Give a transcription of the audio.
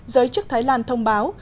giới chức thái lan thông báo